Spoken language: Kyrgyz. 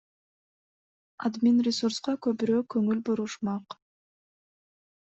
Админресурска көбүрөөк көңүл бурушмак.